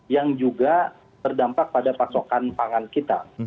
yang juga berdampak pada pasokan pangan kita